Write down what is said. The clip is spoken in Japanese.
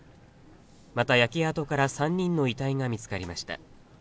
また焼け跡から３人の遺体が見つかりました。